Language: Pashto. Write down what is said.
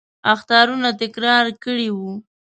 اخطارونه تکرار کړي وو.